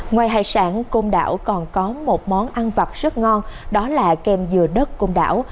ngoài hải sản côn đảo còn có một món ăn vặt rất ngon đó là kem dừa đất côn đảo